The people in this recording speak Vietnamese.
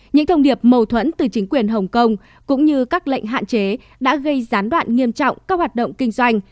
những thông điệp mâu thuẫn từ chính quyền hồng kông cũng như các lệnh hạn chế đã gây gián đoạn nghiêm trọng các hoạt động kinh doanh